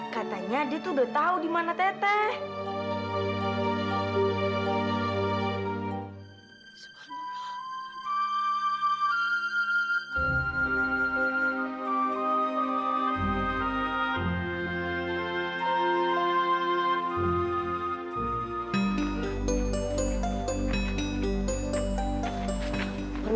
katanya dia tuh udah tau dimana teteh